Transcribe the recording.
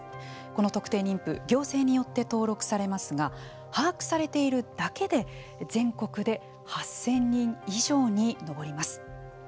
この特定妊婦行政によって登録されますが把握されているだけで、全国で８０００人以上に上ります。